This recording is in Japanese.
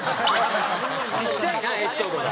ちっちゃいなエピソードが。